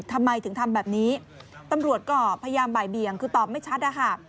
ทำไมถึงทำแบบนี้ตำรวจก็พยายามบ่ายเบียงคือตอบไม่ชัดนะคะ